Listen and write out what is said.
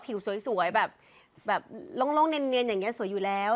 ผิวสวยแบบโล่งเนียนอย่างนี้สวยอยู่แล้ว